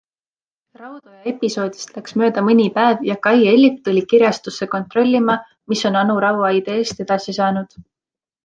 Raudoja episoodist läks mööda mõni päev ja Kai Ellip tuli kirjastusse kontrollima, mis on Anu Raua ideest edasi saanud.